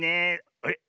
あれ？